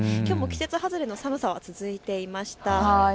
季節外れの寒さは続いていました。